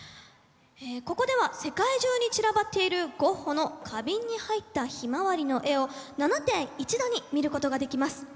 ここでは世界中に散らばっているゴッホの花瓶に入った「ヒマワリ」の絵を７点一度に見ることができます。